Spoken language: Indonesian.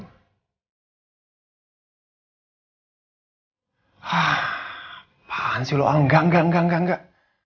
hah apaan sih lo aw enggak enggak enggak enggak